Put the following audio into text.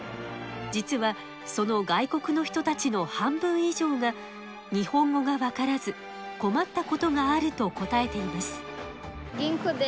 じつはその外国の人たちの半分いじょうが日本語がわからず困ったことがあると答えています